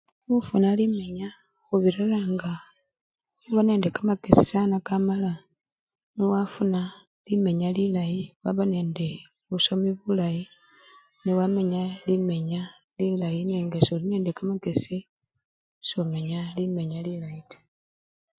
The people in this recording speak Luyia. Khufuna limenya khubiriranga mukhuba nende kamakesi sana kakamala nyo wafuna limenya lilayi waba nende busomi bulayi newamenya limenya lilayi nenga soli nende kamakesi, somenya limenya lilayi taa.